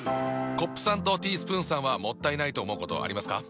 コップさんとティースプーンさんはもったいないと思うことありますか？